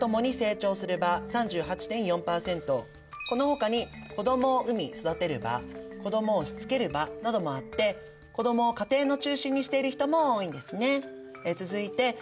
続いてこのほかに「子どもを産み育てる場」「子どもをしつける場」などもあって子どもを家庭の中心にしている人も多いんですね。